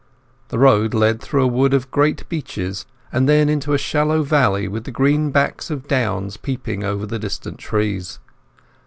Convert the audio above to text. The road led through a wood of great beeches and then into a shallow valley, with the green backs of downs peeping over the distant trees.